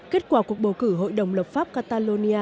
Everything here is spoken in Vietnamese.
kết quả cuộc bầu cử hội đồng lập pháp catalonia